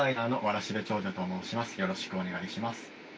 よろしくお願いします。